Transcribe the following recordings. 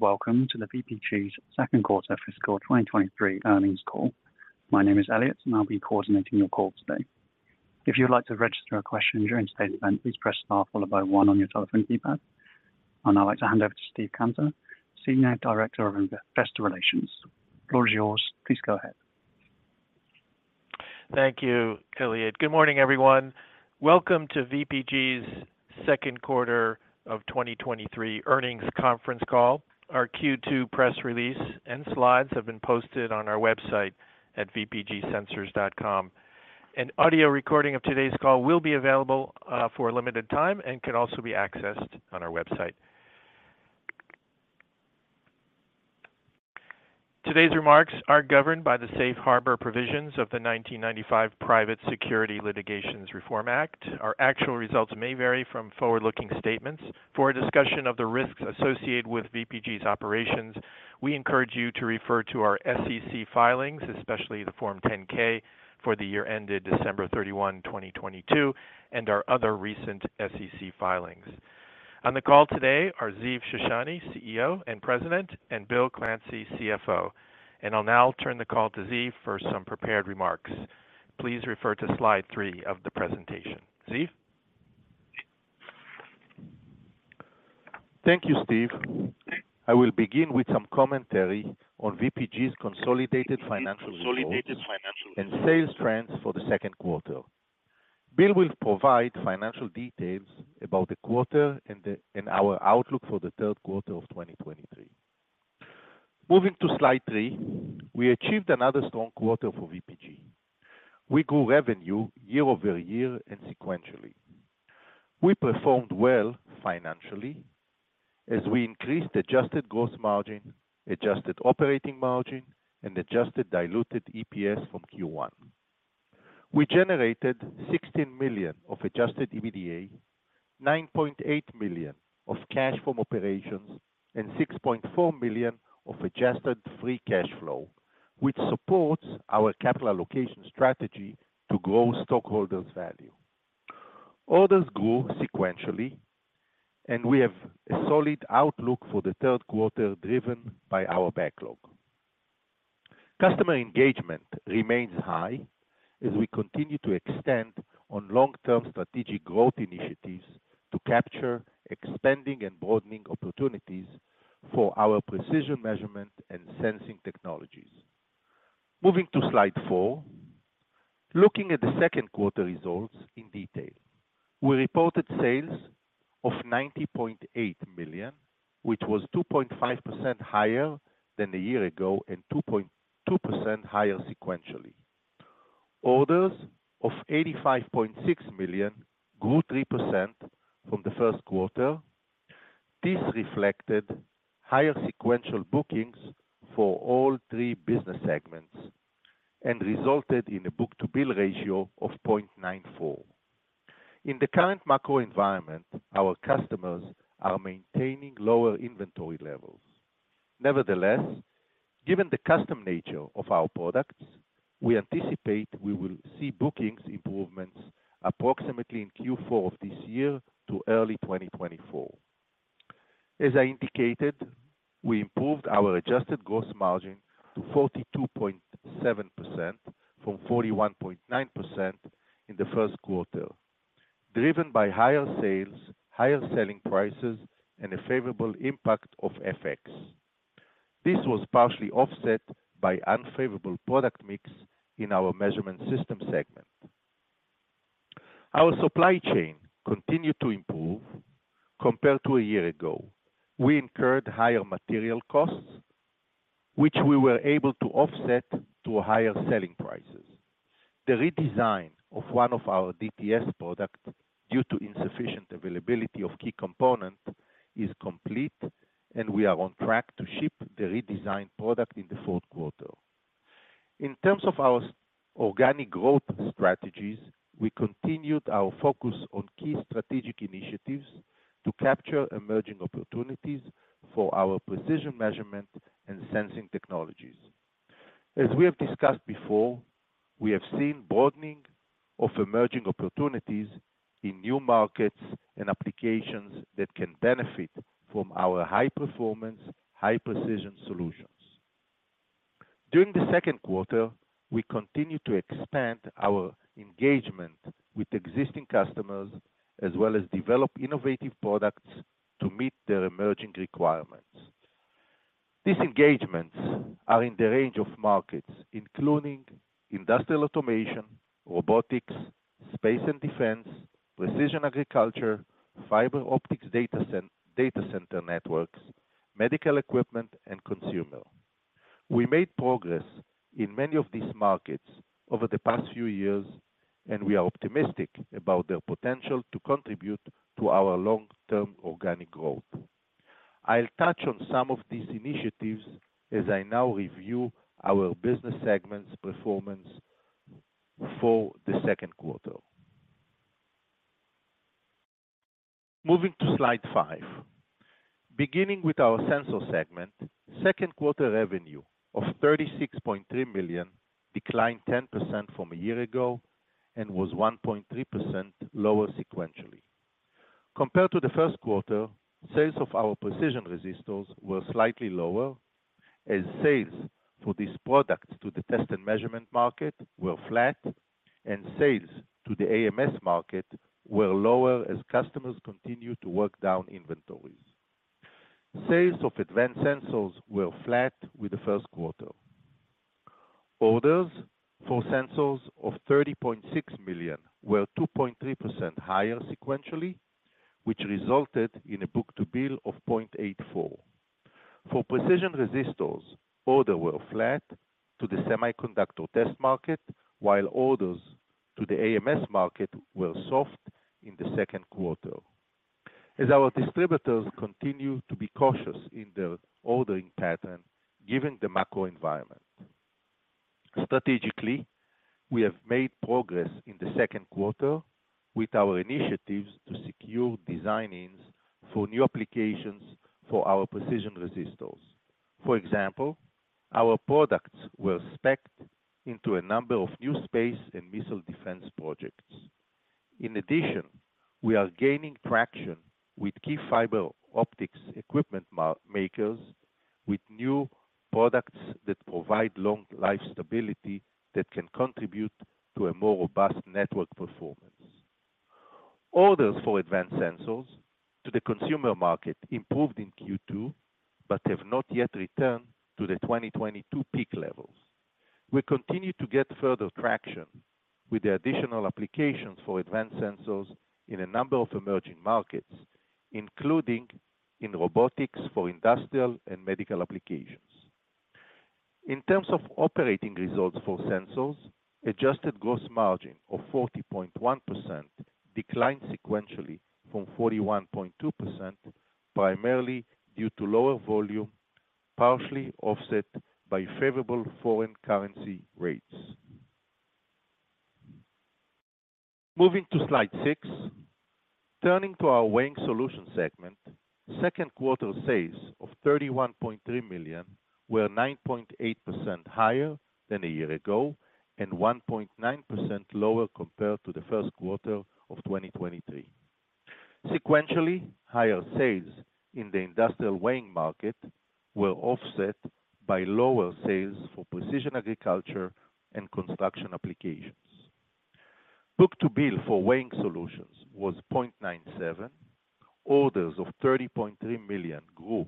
Welcome to the VPG's second quarter fiscal 2023 earnings call. My name is Elliot, and I'll be coordinating your call today. If you'd like to register a question during today's event, please press star followed by one on your telephone keypad. I'd now like to hand over to Steve Cantor, Senior Director of Investor Relations. The floor is yours. Please go ahead. Thank you, Elliot. Good morning, everyone. Welcome to VPG's second quarter of 2023 earnings conference call. Our Q2 press release and slides have been posted on our website at vpgsensors.com. An audio recording of today's call will be available for a limited time and can also be accessed on our website. Today's remarks are governed by the safe harbor provisions of the 1995 Private Securities Litigation Reform Act. Our actual results may vary from forward-looking statements. For a discussion of the risks associated with VPG's operations, we encourage you to refer to our SEC filings, especially the Form 10-K, for the year ended December 31, 2022, and our other recent SEC filings. On the call today are Ziv Shoshani, CEO and President, and Bill Clancy, CFO. I'll now turn the call to Ziv for some prepared remarks. Please refer to slide three of the presentation. Ziv? Thank you, Steve. I will begin with some commentary on VPG's consolidated financial sales trends for the second quarter. Bill will provide financial details about the quarter and our outlook for the third quarter of 2023. Moving to slide three, we achieved another strong quarter for VPG. We grew revenue year-over-year and sequentially. We performed well financially as we increased adjusted gross margin, adjusted operating margin, and adjusted diluted EPS from Q1. We generated $16 million of adjusted EBITDA, $9.8 million of cash from operations, and $6.4 million of adjusted free cash flow, which supports our capital allocation strategy to grow stockholders' value. Orders grew sequentially, and we have a solid outlook for the third quarter, driven by our backlog. Customer engagement remains high as we continue to extend on long-term strategic growth initiatives to capture, expanding and broadening opportunities for our precision measurement and sensing technologies. Moving to slide four. Looking at the second quarter results in detail. We reported sales of $90.8 million, which was 2.5% higher than a year ago and 2.2% higher sequentially. Orders of $85.6 million grew 3% from the first quarter. This reflected higher sequential bookings for all three business segments and resulted in a book-to-bill ratio of 0.94. In the current macro environment, our customers are maintaining lower inventory levels. Nevertheless, given the custom nature of our products, we anticipate we will see bookings improvements approximately in Q4 of this year to early 2024. As I indicated, we improved our adjusted gross margin to 42.7% from 41.9% in the first quarter, driven by higher sales, higher selling prices, and a favorable impact of FX. This was partially offset by unfavorable product mix in our measurement system segment. Our supply chain continued to improve compared to a year ago. We incurred higher material costs, which we were able to offset to higher selling prices. The redesign of one of our DTS products, due to insufficient availability of key components, is complete, and we are on track to ship the redesigned product in the fourth quarter. In terms of our organic growth strategies, we continued our focus on key strategic initiatives to capture emerging opportunities for our precision measurement and sensing technologies. As we have discussed before, we have seen broadening of emerging opportunities in new markets and applications that can benefit from our high-performance, high-precision solutions. During the second quarter, we continued to expand our engagement with existing customers, as well as develop innovative products to meet their emerging requirements. These engagements are in the range of markets, including industrial automation, robotics, space and defense, precision agriculture, fiber optics data center networks, medical equipment, and consumer. We made progress in many of these markets over the past few years, and we are optimistic about their potential to contribute to our long-term organic growth. I'll touch on some of these initiatives as I now review our business segments performance for the second quarter. Moving to slide 5. Beginning with our sensor segment, second-quarter revenue of $36.3 million declined 10% from a year ago and was 1.3% lower sequentially. Compared to the first quarter, sales of our precision resistors were slightly lower, as sales for these products to the test and measurement market were flat, and sales to the AMS market were lower as customers continued to work down inventories. Sales of advanced sensors were flat with the first quarter. Orders for sensors of $30.6 million were 2.3% higher sequentially, which resulted in a book-to-bill of 0.84. For precision resistors, order were flat to the semiconductor test market, while orders to the AMS market were soft in the second quarter, as our distributors continue to be cautious in their ordering pattern, given the macro environment. Strategically, we have made progress in the second quarter with our initiatives to secure design-ins for new applications for our precision resistors. For example, our products were specced into a number of new space and missile defense projects. In addition, we are gaining traction with key fiber optics equipment makers, with new products that provide long life stability that can contribute to a more robust network performance. Orders for advanced sensors to the consumer market improved in Q2, have not yet returned to the 2022 peak levels. We continue to get further traction with the additional applications for advanced sensors in a number of emerging markets, including in robotics for industrial and medical applications. In terms of operating results for sensors, adjusted gross margin of 40.1% declined sequentially from 41.2%, primarily due to lower volume, partially offset by favorable foreign currency rates. Moving to slide six. Turning to our weighing solution segment, second quarter sales of $31.3 million were 9.8% higher than a year ago and 1.9% lower compared to the first quarter of 2023. Sequentially, higher sales in the industrial weighing market were offset by lower sales for precision agriculture and construction applications. Book-to-bill for weighing solutions was 0.97. Orders of $30.3 million grew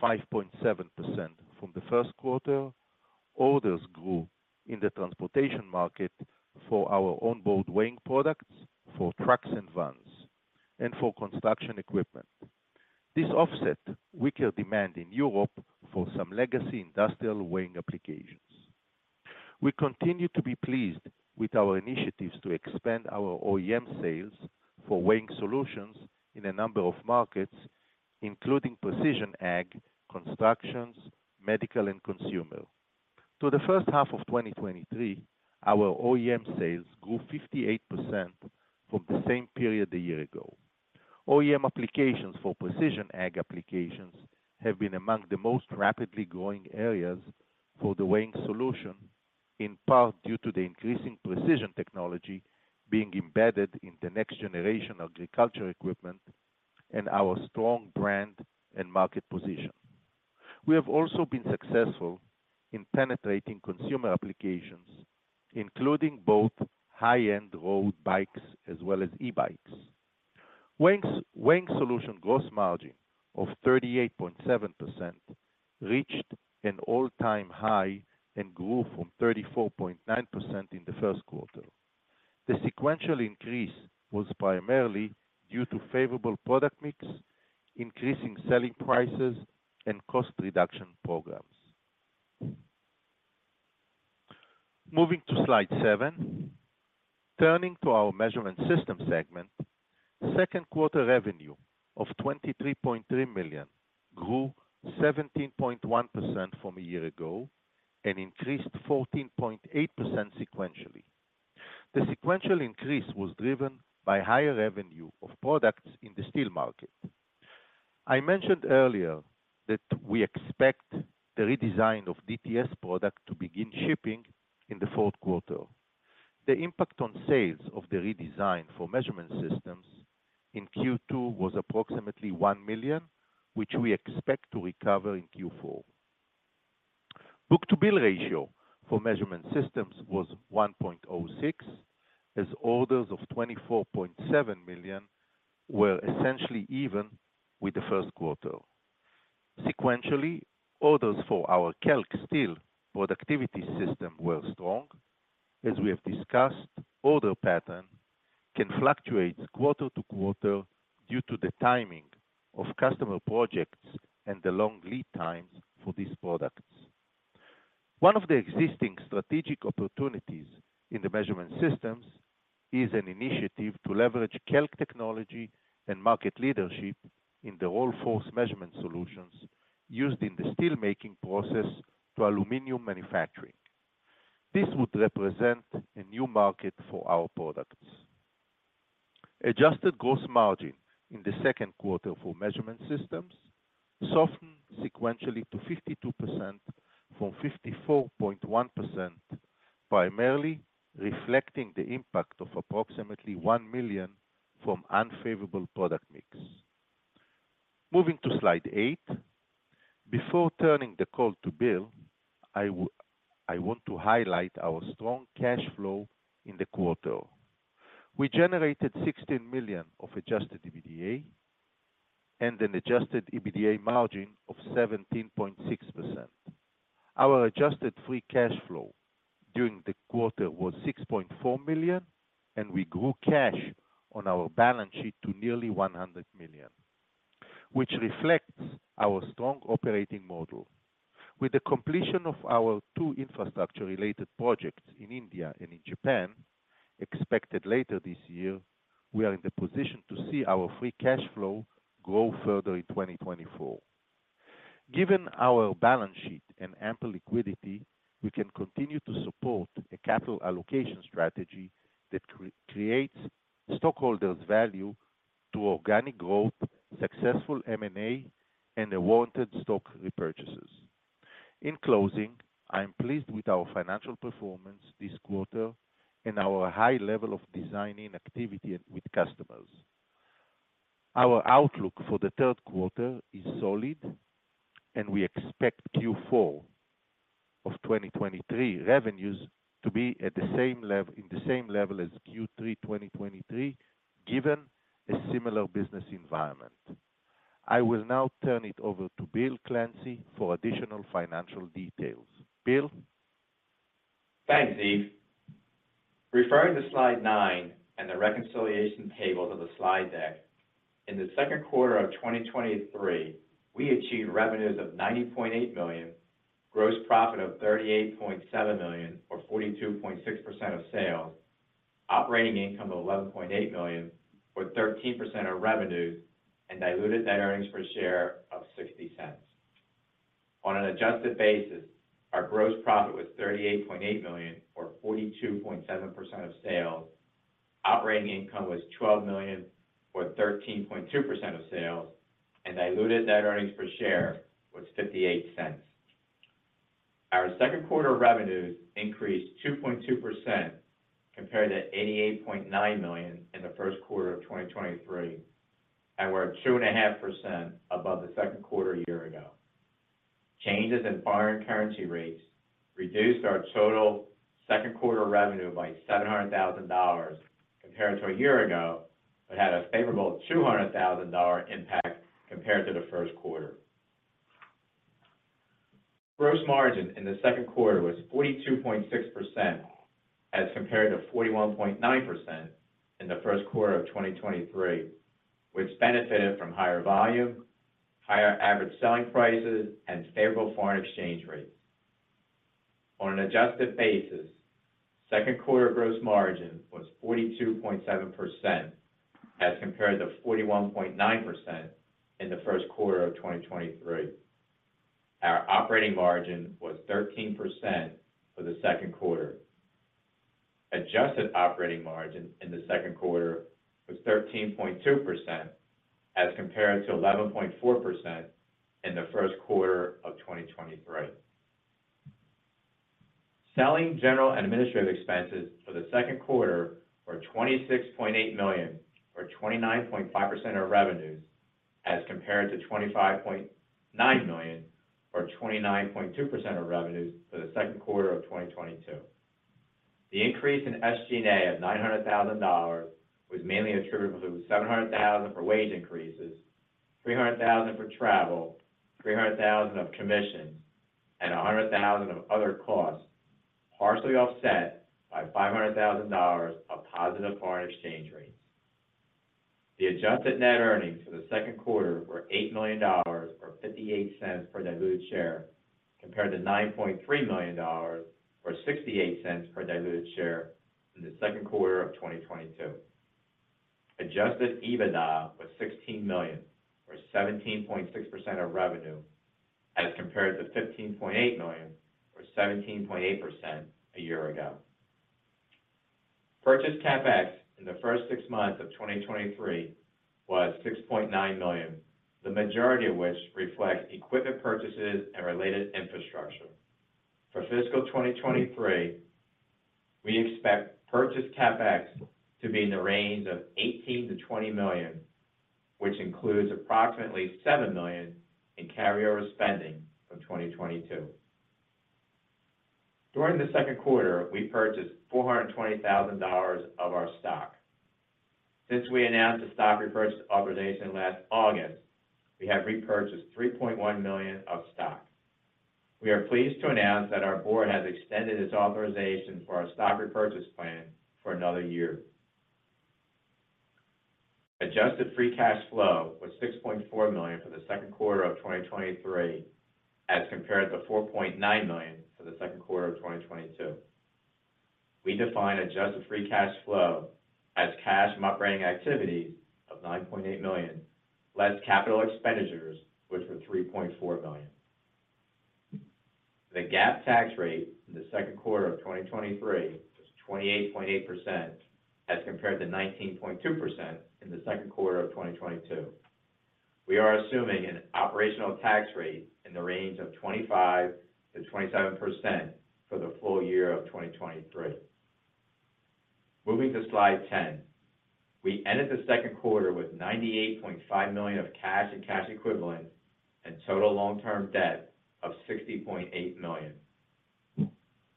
5.7% from the first quarter. Orders grew in the transportation market for our onboard weighing products, for trucks and vans, and for construction equipment. This offset weaker demand in Europe for some legacy industrial weighing applications. We continue to be pleased with our initiatives to expand our OEM sales for weighing solutions in a number of markets, including precision ag, constructions, medical, and consumer. To the first half of 2023, our OEM sales grew 58% from the same period a year ago. OEM applications for precision ag applications have been among the most rapidly growing areas for the weighing solution, in part due to the increasing precision technology being embedded in the next generation agriculture equipment and our strong brand and market position. We have also been successful in penetrating consumer applications, including both high-end road bikes as well as e-bikes. Weighing solution gross margin of 38.7%, reached an all-time high and grew from 34.9% in the Q1. The sequential increase was primarily due to favorable product mix, increasing selling prices, and cost reduction programs. Moving to slide seven. Turning to our measurement system segment, Q2 revenue of $23.3 million grew 17.1% from a year ago and increased 14.8% sequentially. The sequential increase was driven by higher revenue of products in the steel market. I mentioned earlier that we expect the redesign of DTS product to begin shipping in the Q4. The impact on sales of the redesign for measurement systems in Q2 was approximately $1 million, which we expect to recover in Q4. Book-to-bill ratio for measurement systems was 1.06, as orders of $24.7 million were essentially even with the first quarter. Sequentially, orders for our KELK steel productivity system were strong. As we have discussed, order pattern can fluctuate quarter-to-quarter due to the timing of customer projects and the long lead times for these products. One of the existing strategic opportunities in the measurement systems is an initiative to leverage KELK technology and market leadership in the roll force measurement solutions used in the steelmaking process to aluminum manufacturing. This would represent a new market for our product. Adjusted gross margin in the second quarter for measurement systems softened sequentially to 52% from 54.1%, primarily reflecting the impact of approximately $1 million from unfavorable product mix. Moving to Slide eight. Before turning the call to Bill, I want to highlight our strong cash flow in the quarter. We generated $16 million of adjusted EBITDA and an adjusted EBITDA margin of 17.6%. Our adjusted free cash flow during the quarter was $6.4 million. We grew cash on our balance sheet to nearly $100 million, which reflects our strong operating model. With the completion of our two infrastructure-related projects in India and in Japan, expected later this year, we are in the position to see our free cash flow grow further in 2024. Given our balance sheet and ample liquidity, we can continue to support a capital allocation strategy that creates stockholders value through organic growth, successful M&A, and awarded stock repurchases. In closing, I am pleased with our financial performance this quarter and our high level of design-in activity with customers. Our outlook for the third quarter is solid. We expect Q4 of 2023 revenues to be at the same in the same level as Q3 2023, given a similar business environment. I will now turn it over to Bill Clancy for additional financial details. Bill? Thanks, Ziv. Referring to Slide nine and the reconciliation table of the slide deck, in the second quarter of 2023, we achieved revenues of $90.8 million, gross profit of $38.7 million, or 42.6% of sales. Operating income of $11.8 million, or 13% of revenues, and diluted net earnings per share of $0.60. On an adjusted basis, our gross profit was $38.8 million, or 42.7% of sales. Operating income was $12 million, or 13.2% of sales, and diluted net earnings per share was $0.58. Our second quarter revenues increased 2.2% compared to $88.9 million in the first quarter of 2023, we're 2.5% above the second quarter a year ago. Changes in foreign currency rates reduced our total second quarter revenue by $700,000 compared to a year ago, but had a favorable $200,000 impact compared to the first quarter. Gross margin in the second quarter was 42.6%, as compared to 41.9% in the first quarter of 2023, which benefited from higher volume, higher average selling prices, and favorable foreign exchange rates. On an adjusted basis, second quarter gross margin was 42.7%, as compared to 41.9% in the first quarter of 2023. Our operating margin was 13% for the second quarter. Adjusted operating margin in the second quarter was 13.2%, as compared to 11.4% in the first quarter of 2023. Selling, general, and administrative expenses for the second quarter were $26.8 million, or 29.5% of revenues, as compared to $25.9 million, or 29.2% of revenues for the second quarter of 2022. The increase in SG&A of $900,000 was mainly attributable to $700,000 for wage increases, $300,000 for travel, $300,000 of commissions, and $100,000 of other costs, partially offset by $500,000 of positive foreign exchange rates. The adjusted net earnings for the second quarter were $8 million or $0.58 per diluted share, compared to $9.3 million or $0.68 per diluted share in the second quarter of 2022. Adjusted EBITDA was $16 million, or 17.6% of revenue, as compared to $15.8 million, or 17.8% a year ago. Purchase CapEx in the first 6 months of 2023 was $6.9 million, the majority of which reflects equipment purchases and related infrastructure. For fiscal 2023, we expect purchase CapEx to be in the range of $18 million-$20 million, which includes approximately $7 million in carryover spending from 2022. During the second quarter, we purchased $420,000 of our stock. Since we announced the stock repurchase authorization last August, we have repurchased $3.1 million of stock. We are pleased to announce that our board has extended its authorization for our stock repurchase plan for another year. Adjusted free cash flow was $6.4 million for the second quarter of 2023, as compared to $4.9 million for the second quarter of 2022. We define adjusted free cash flow as cash from operating activity of $9.8 million, less capital expenditures, which were $3.4 million. The GAAP tax rate in the second quarter of 2023 was 28.8%, as compared to 19.2% in the second quarter of 2022. We are assuming an operational tax rate in the range of 25%-27% for the full year of 2023. Moving to slide 10. We ended the second quarter with $98.5 million of cash and cash equivalents, and total long-term debt of $60.8 million.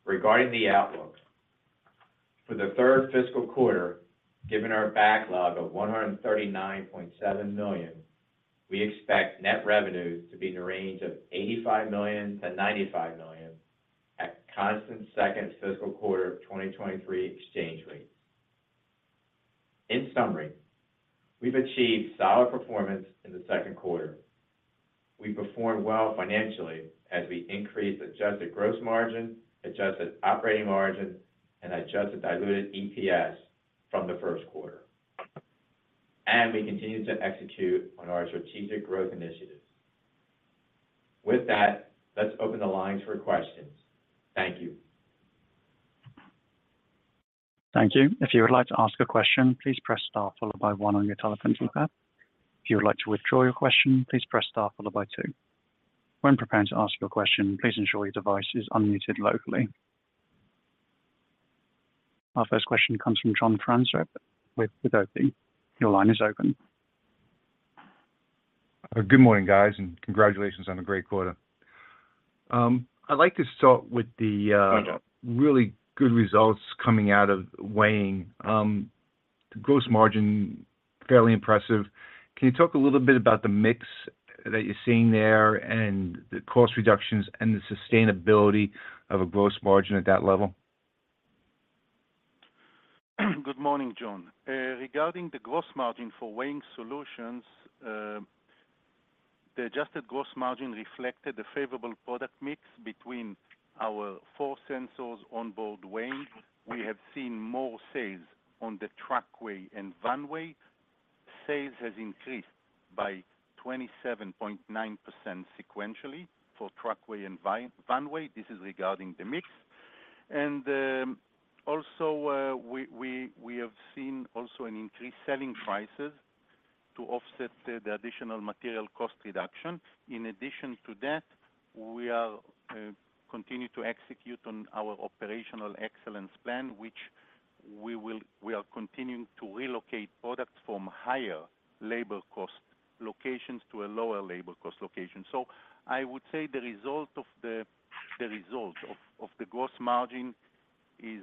Regarding the outlook, for the third fiscal quarter, given our backlog of $139.7 million, we expect net revenues to be in the range of $85 million-$95 million at constant second fiscal quarter of 2023 exchange rates. In summary, we've achieved solid performance in the second quarter. We performed well financially as we increased adjusted gross margin, adjusted operating margin, and adjusted diluted EPS from the first quarter. We continue to execute on our strategic growth initiatives. With that, let's open the lines for questions. Thank you. Thank you. If you would like to ask a question, please press star followed by one on your telephone keypad. If you would like to withdraw your question, please press star followed by two. When preparing to ask your question, please ensure your device is unmuted locally. Our first question comes from John Franzreb with, with OP. Your line is open. Good morning, guys, congratulations on a great quarter. I'd like to start with the, Hi John. Really good results coming out of weighing. The gross margin, fairly impressive. Can you talk a little bit about the mix that you're seeing there, and the cost reductions, and the sustainability of a gross margin at that level? Good morning, John. Regarding the gross margin for weighing solutions, the adjusted gross margin reflected the favorable product mix between our four sensors on board weighing. We have seen more sales on the TruckWeigh and VanWeigh. Sales has increased by 27.9% sequentially for TruckWeigh and VanWeigh. This is regarding the mix. Also, we have seen also an increased selling prices to offset the additional material cost reduction. In addition to that, we are continuing to execute on our operational excellence plan, which we are continuing to relocate products from higher labor cost locations to a lower labor cost location. I would say the result of the gross margin is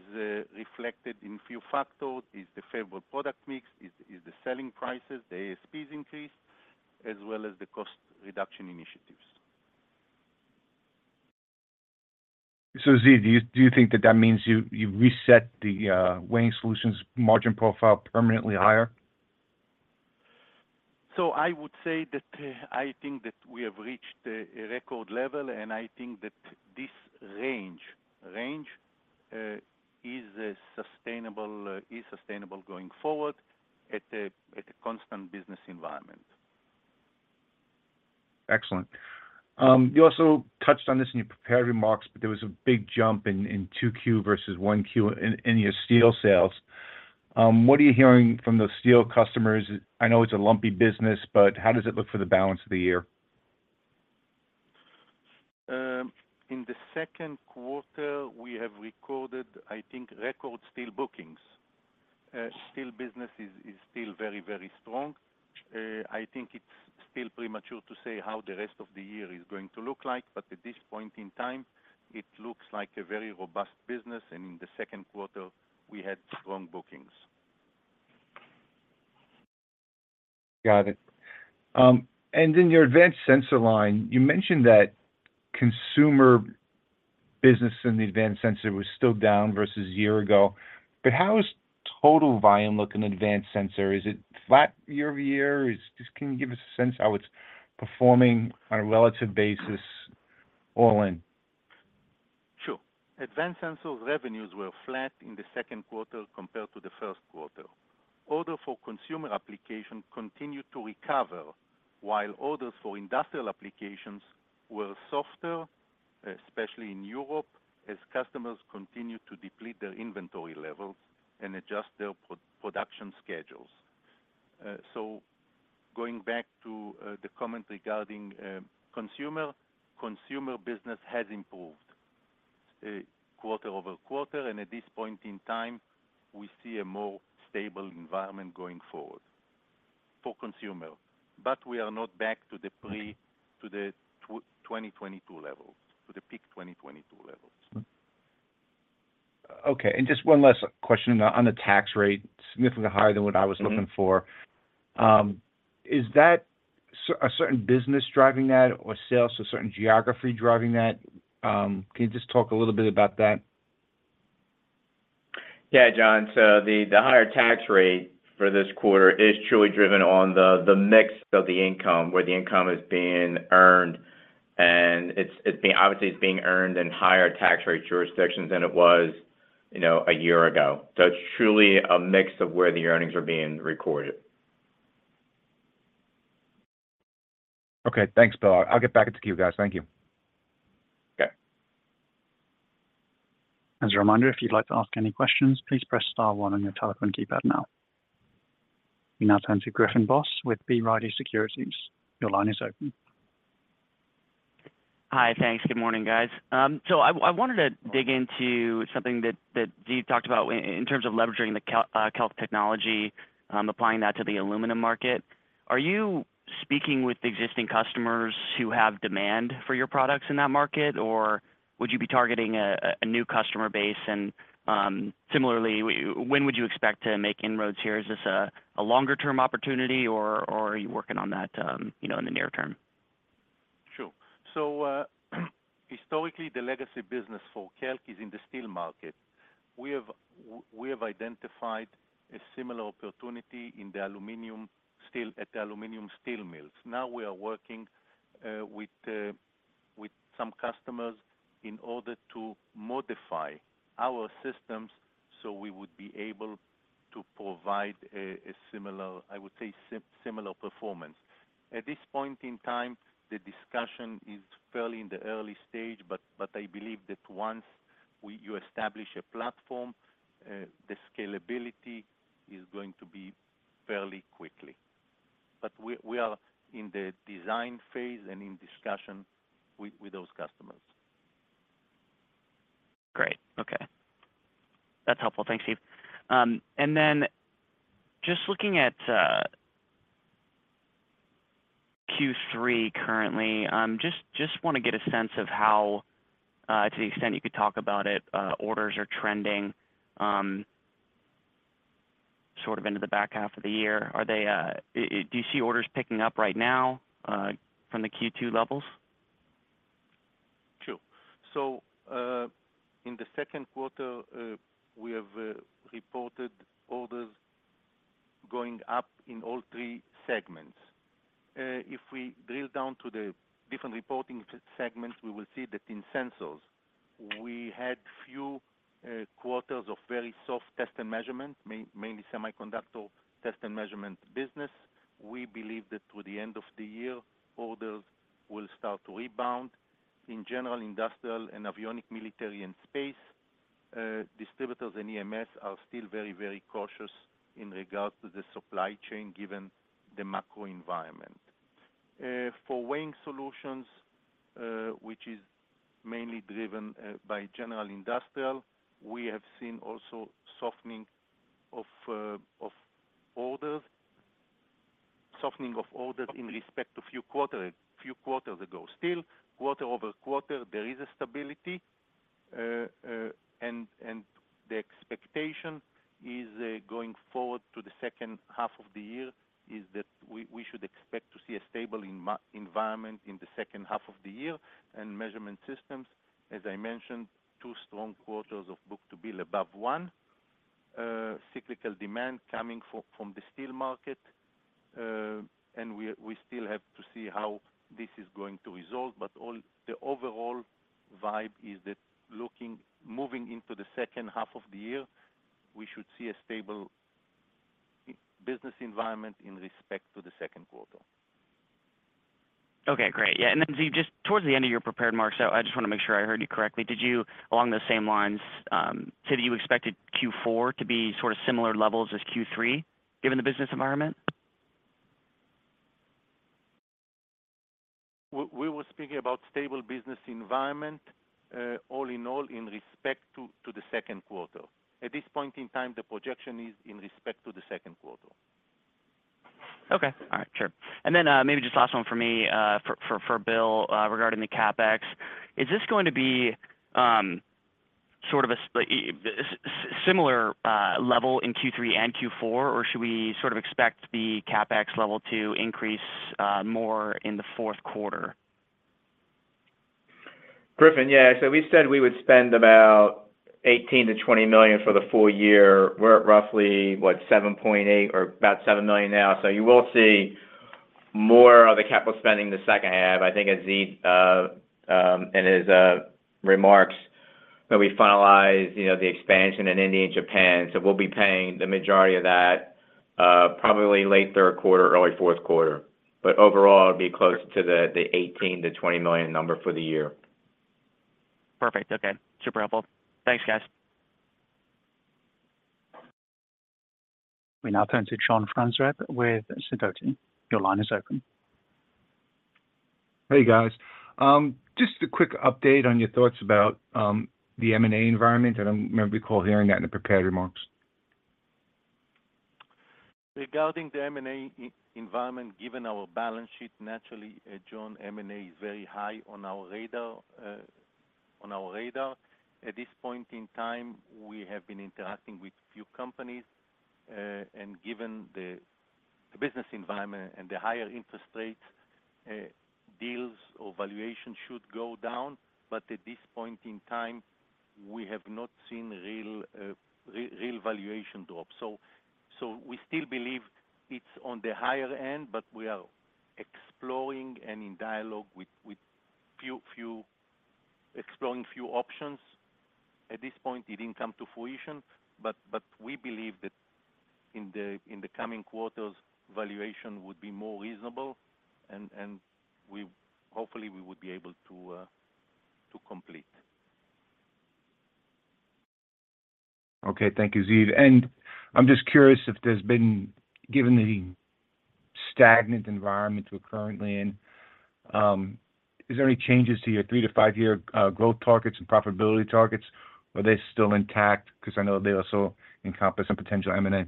reflected in few factors, is the favorable product mix, the selling prices, the ASPs increase, as well as the cost reduction initiatives. So Ziv, do you, do you think that that means you, you reset the weighing solutions margin profile permanently higher? I would say that, I think that we have reached a, a record level, and I think that this range, range, is, sustainable, is sustainable going forward at a, at a constant business environment. Excellent. You also touched on this in your prepared remarks, but there was a big jump in 2Q versus 1Q in your steel sales. What are you hearing from those steel customers? I know it's a lumpy business, but how does it look for the balance of the year? In the second quarter, we have recorded, I think, record steel bookings. Steel business is still very, very strong. I think it's still premature to say how the rest of the year is going to look like, but at this point in time, it looks like a very robust business, and in the second quarter, we had strong bookings. Got it. In your advanced sensor line, you mentioned that consumer business in the advanced sensor was still down versus a year ago. How is total volume look in advanced sensor? Is it flat year-over-year? Just, can you give us a sense how it's performing on a relative basis, all in? Sure. Advanced sensor revenues were flat in the second quarter compared to the first quarter. Order for consumer application continued to recover, while orders for industrial applications were softer, especially in Europe, as customers continued to deplete their inventory levels and adjust their production schedules. Going back to the comment regarding consumer, consumer business has improved quarter-over-quarter, and at this point in time, we see a more stable environment going forward for consumer. But we are not back to the pre to the 2022 levels, to the peak 2022 levels. Okay, just one last question on the, on the tax rate, significantly higher than what I was looking for. Mm-hmm. Is that a certain business driving that or sales to a certain geography driving that? Can you just talk a little bit about that? Yeah, John. The higher tax rate for this quarter is truly driven on the mix of the income, where the income is being earned, and obviously, it's being earned in higher tax rate jurisdictions than it was, you know, a year ago. It's truly a mix of where the earnings are being recorded. Okay, thanks, Bill. I'll get back into queue, guys. Thank you. Okay. As a reminder, if you'd like to ask any questions, please press star one on your telephone keypad now. We now turn to Griffin Boss with B. Riley Securities. Your line is open. Hi. Thanks. Good morning, guys. I, I wanted to dig into something that, that Ziv talked about in, in terms of leveraging the KELK technology, applying that to the aluminum market. Are you speaking with existing customers who have demand for your products in that market, or would you be targeting a new customer base? Similarly, when would you expect to make inroads here? Is this a longer-term opportunity or, or are you working on that, you know, in the near term? Sure. historically, the legacy business for KELK is in the steel market. We have we have identified a similar opportunity in the aluminum steel, at the aluminum steel mills. Now we are working, with, with some customers in order to modify our systems so we would be able to provide a, a similar, I would say, similar performance. At this point in time, the discussion is fairly in the early stage, but, but I believe that once you establish a platform, the scalability is going to be fairly quickly. We, we are in the design phase and in discussion with, with those customers. Great. Okay. That's helpful. Thanks, Ziv. Just looking at Q3 currently, just want to get a sense of how to the extent you could talk about it, orders are trending sort of into the back half of the year. Are they, do you see orders picking up right now from the Q2 levels? Sure. In the second quarter, we have reported orders going up in all three segments. If we drill down to the different reporting segments, we will see that in sensors, we had few quarters of very soft test and measurement, mainly semiconductor test and measurement business. We believe that through the end of the year, orders will start to rebound. In general, industrial and avionics, military, and space, distributors and EMS are still very, very cautious in regards to the supply chain, given the macro environment. For weighing solutions, which is mainly driven by general industrial, we have seen also softening of orders, softening of orders in respect to few quarter, few quarters ago. Still, quarter-over-quarter, there is a stability, and the expectation is, going forward to the second half of the year, is that we should expect to see a stable environment in the second half of the year. Measurement systems, as I mentioned, two strong quarters of book-to-bill above one, cyclical demand coming from the steel market, and we still have to see how this is going to resolve, but all. The overall vibe is that looking, moving into the second half of the year, we should see a stable business environment in respect to the second quarter. Okay, great. Yeah, and then, Ziv, just towards the end of your prepared marks, I, I just want to make sure I heard you correctly. Did you, along those same lines, say that you expected Q4 to be sort of similar levels as Q3, given the business environment? We were speaking about stable business environment, all in all, in respect to, to the second quarter. At this point in time, the projection is in respect to the second quarter. Okay. All right, sure. Maybe just last one for me, for Bill, regarding the CapEx. Is this going to be, sort of a similar level in Q3 and Q4, or should we sort of expect the CapEx level to increase, more in the fourth quarter? Griffin, yeah. We said we would spend about $18 million-$20 million for the full year. We're at roughly, what, $7.8 million or about $7 million now. You will see more of the capital spending in the second half. I think as Ziv in his remarks, when we finalize, you know, the expansion in India and Japan, we'll be paying the majority of that probably late third quarter, early fourth quarter. Overall, it'll be close to the $18 million-$20 million number for the year. Perfect. Okay. Super helpful. Thanks, guys. We now turn to John Franzreb with Sidoti. Your line is open. Hey, guys. Just a quick update on your thoughts about the M&A environment, and I remember Nicole hearing that in the prepared remarks. Regarding the M&A environment, given our balance sheet, naturally, John, M&A is very high on our radar, on our radar. At this point in time, we have been interacting with few companies, and given the, the business environment and the higher interest rates, deals or valuation should go down. At this point in time, we have not seen real, real valuation drop. We still believe it's on the higher end, but we are exploring and in dialogue with, with few, few companies. Exploring few options. At this point, it didn't come to fruition. But we believe that in the, in the coming quarters, valuation would be more reasonable, and hopefully we would be able to, to complete. Okay, thank you, Ziv. I'm just curious if there's been, given the stagnant environment we're currently in, is there any changes to your three to five year growth targets and profitability targets? Are they still intact? Because I know they also encompass some potential M&A.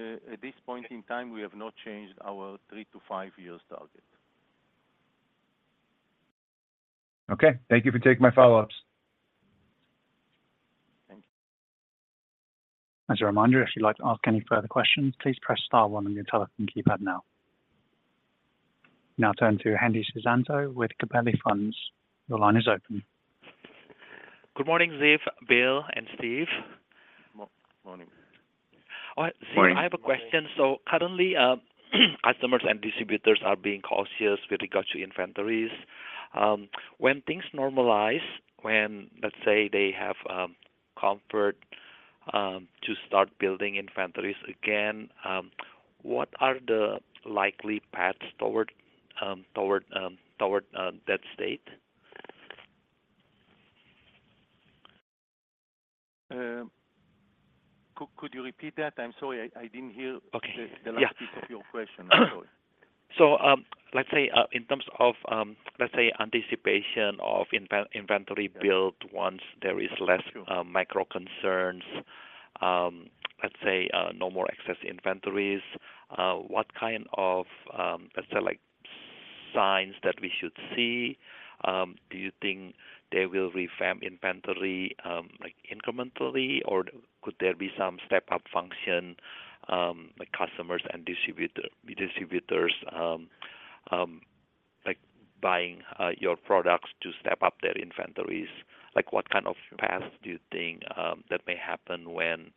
At this point in time, we have not changed our three to five years target. Okay, thank you for taking my follow-ups. Thank you. As a reminder, if you'd like to ask any further questions, please press star one on your telephone keypad now. Now turn to Andy Susanto with Gabelli Funds. Your line is open. Good morning, Ziv, Bill, and Steve. Morning. All right. Morning. Steve, I have a question. Currently, customers and distributors are being cautious with regards to inventories. When things normalize, when, let's say, they have comfort to start building inventories again, what are the likely paths toward that state? Could you repeat that? I'm sorry, I, I didn't hear- Okay, yeah. the last piece of your question. I'm sorry. Let's say, in terms of, let's say, anticipation of inventory build, once there is less micro concerns, let's say, no more excess inventories, what kind of, let's say, like, signs that we should see? Do you think they will refill inventory, like, incrementally, or could there be some step-up function, like customers and distributor, distributors, like, buying, your products to step up their inventories? Like, what kind of paths do you think, that may happen when,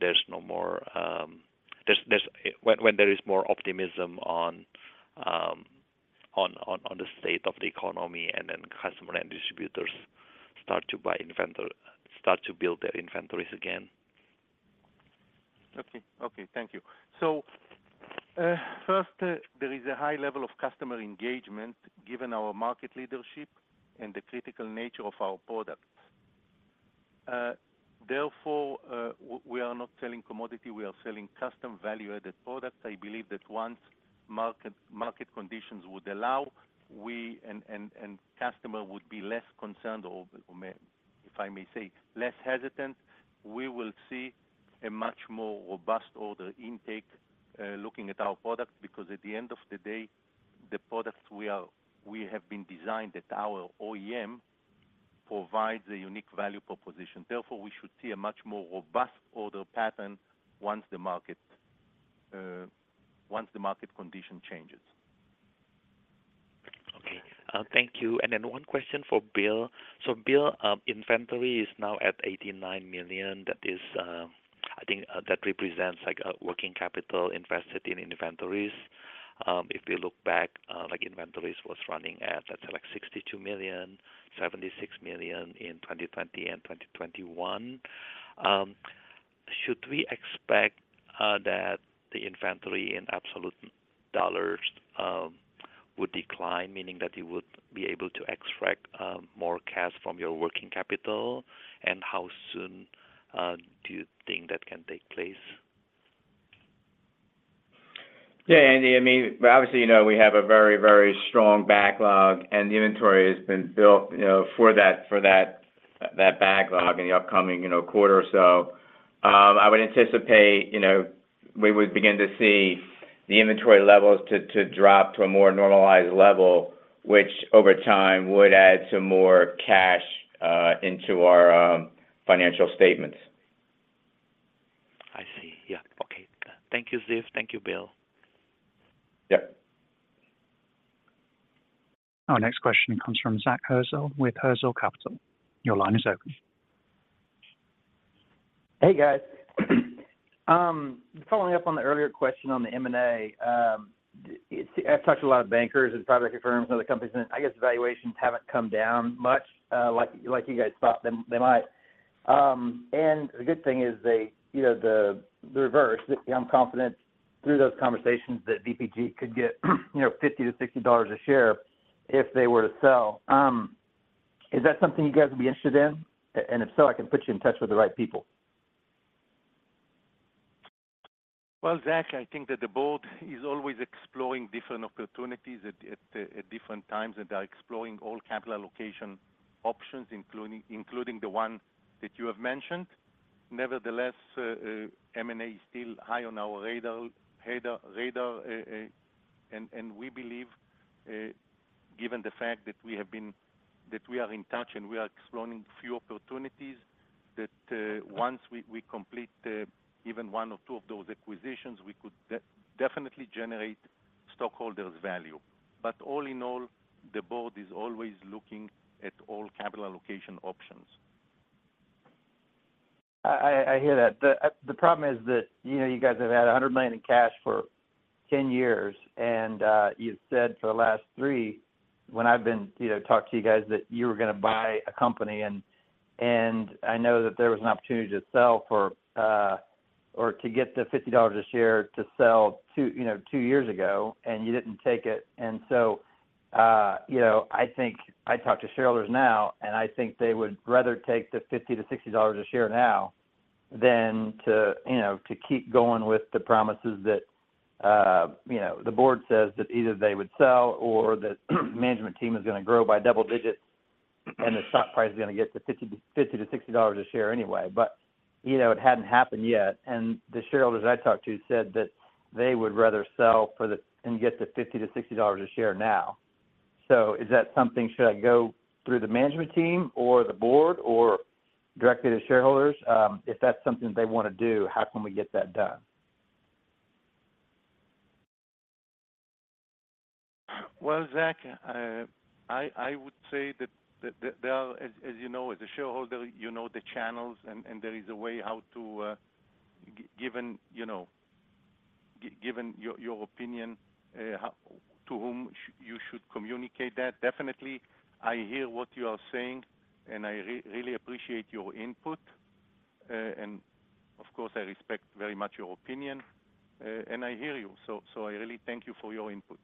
there's no more, there's, there's, when, when there is more optimism on, on, on, on the state of the economy, and then customer and distributors start to buy inventor- start to build their inventories again? Okay. Okay, thank you. First, there is a high level of customer engagement, given our market leadership and the critical nature of our products. Therefore, we are not selling commodity, we are selling custom value-added products. I believe that once market, market conditions would allow, we and, and, and customer would be less concerned, or may, if I may say, less hesitant, we will see a much more robust order intake, looking at our products, because at the end of the day, the products we have been designed at our OEM provides a unique value proposition. Therefore, we should see a much more robust order pattern once the market, once the market condition changes. Okay, thank you. Then one question for Bill. Bill, inventory is now at $89 million. That is, I think, that represents, like, a working capital invested in inventories. If you look back, like inventories was running at, let's say, like $62 million, $76 million in 2020 and 2021. Should we expect that the inventory in absolute dollars would decline, meaning that you would be able to extract more cash from your working capital, and how soon do you think that can take place? Yeah, Andy, I mean, obviously, you know, we have a very, very strong backlog, and the inventory has been built, you know, for that, for that, that backlog in the upcoming, you know, quarter. I would anticipate, you know, we would begin to see the inventory levels to, to drop to a more normalized level, which over time would add some more cash into our financial statements. I see. Yeah. Okay, thank you, Ziv. Thank you, Bill. Yep. Our next question comes from Zach Herzel with Herzl Capital. Your line is open. Hey, guys. Following up on the earlier question on the M&A, I've talked to a lot of bankers and private firms, other companies, I guess valuations haven't come down much, like, like you guys thought they might. The good thing is they, you know, the, the reverse. I'm confident through those conversations that VPG could get, you know, $50-$60 a share if they were to sell. Is that something you guys would be interested in? If so, I can put you in touch with the right people. Well, Zach, I think that the board is always exploring different opportunities at, at, at different times, and are exploring all capital allocation options, including, including the one that you have mentioned. Nevertheless, M&A is still high on our radar, radar, radar, and, and we believe, given the fact that we have been that we are in touch and we are exploring few opportunities, that, once we, we complete, even one or two of those acquisitions, we could de- definitely generate stockholders' value. All in all, the board is always looking at all capital allocation options. I hear that. The problem is that, you know, you guys have had $100 million in cash for 10 years, and you've said for the last three, when I've been, you know, talked to you guys, that you were gonna buy a company. I know that there was an opportunity to sell for or to get the $50 a share to sell two, you know, two years ago, and you didn't take it. So, you know, I think I talked to shareholders now, and I think they would rather take the $50-$60 a share now than to, you know, to keep going with the promises that, you know, the board says that either they would sell or that the management team is gonna grow by double-digits, and the stock price is gonna get to $50-$60 a share anyway. You know, it hadn't happened yet, and the shareholders I talked to said that they would rather sell for the and get the $50-$60 a share now. Is that something, should I go through the management team or the board or directly to shareholders? If that's something they wanna do, how can we get that done? Well, Zach, I, I would say that, that, that as, as you know, as a shareholder, you know the channels, and there is a way how to given, you know, given your, your opinion, how, to whom you should communicate that. Definitely, I hear what you are saying, and I really appreciate your input. Of course, I respect very much your opinion, and I hear you. So I really thank you for your input.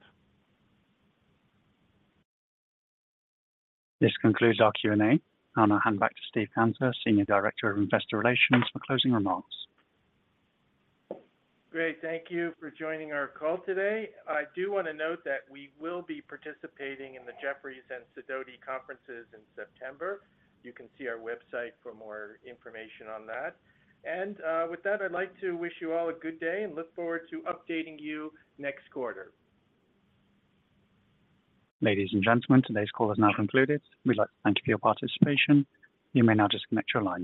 This concludes our Q&A. I'm gonna hand back to Steve Cantor, Senior Director of Investor Relations, for closing remarks. Great. Thank you for joining our call today. I do want to note that we will be participating in the Jefferies and Sidoti conferences in September. You can see our website for more information on that. With that, I'd like to wish you all a good day and look forward to updating you next quarter. Ladies and gentlemen, today's call is now concluded. We'd like to thank you for your participation. You may now disconnect your lines.